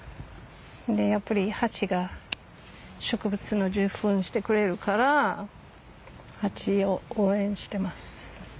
やっぱりハチが植物の受粉してくれるからハチを応援してます。